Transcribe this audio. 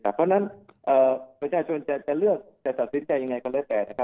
เพราะงั้นประชาชนจะตราบสินใจยังไงก็เลยแตก